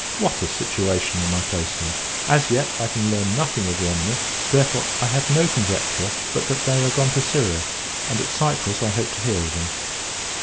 What a situation am I placed in! As yet, I can learn nothing of the enemy: therefore, I have no conjecture but that they are gone to Syria; and, at Cyprus, I hope to hear of them.